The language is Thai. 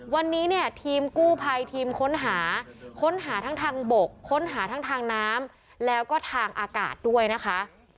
วันนี้เนี่ยทีมกู้ภัยทีมค้นหาค้นหาทั้งทางบกค้นหาทั้งทางน้ำแล้วก็ทางอากาศด้วยนะคะ